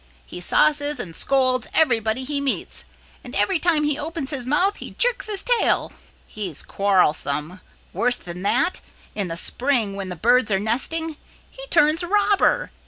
He sauces and scolds everybody he meets, and every time he opens his mouth he jerks his tail. He's quarrelsome. Worse than that, in the spring when the birds are nesting, he turns robber.